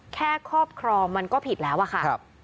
ครอบครองมันก็ผิดแล้วอะค่ะ